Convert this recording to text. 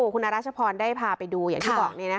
คุณอรัชพรได้พาไปดูอย่างที่บอกเนี่ยนะคะ